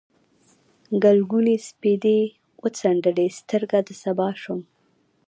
ګلګونې سپېدې وڅنډلې، سترګه د سبا شوم